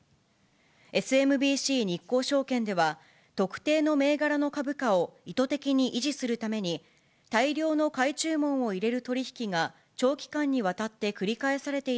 ＳＭＢＣ日興証券では、特定の銘柄の株価を意図的に維持するために、大量の買い注文を入れる取り引きが長期間にわたって繰り返されて